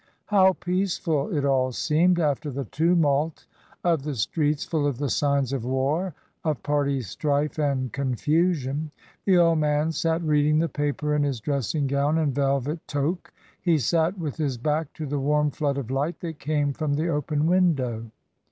How peaceful it all seemed, after the tumult of the streets full of the signs of war, of party strife, and confusion. The old man sat reading the paper in his dressing gown and velvet toque. He sat with his back to the warm flood of light that came from the open window.